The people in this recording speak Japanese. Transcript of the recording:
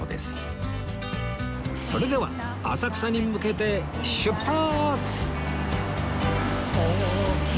それでは浅草に向けて出発！